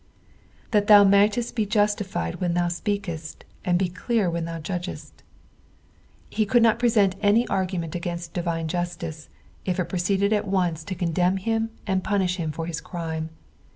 "T'Aat thoumighte»lhe jiat{fied vben thou tpeatftl, and be elenr lehea thou jttdgetU' lie could not present any argument against divine justice, if it proceeded at once to condemn him and punish him for his crime.